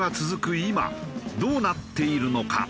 今どうなっているのか？